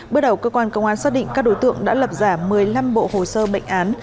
bước đầu cơ quan công an xác định các đối tượng đã lập giả một mươi năm bộ hồ sơ bệnh án